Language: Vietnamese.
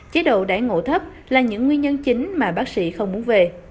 chế độ đáy ngộ thấp là những nguyên nhân chính mà bác sĩ không muốn về